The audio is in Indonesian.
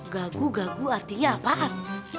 gaguh gaguh artinya apaan